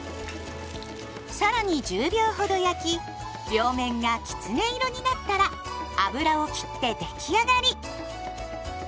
さらに１０秒ほど焼き両面がきつね色になったら油を切って出来上がり。